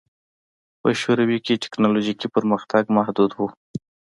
په شوروي کې ټکنالوژیکي پرمختګ محدود و